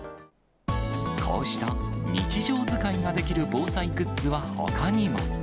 こうした日常使いができる防災グッズはほかにも。